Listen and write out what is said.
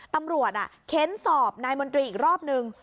ตำรวจเข้นสอบนายมนตรีอีกรอบนึง